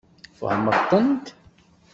Tfehmeḍ-tent?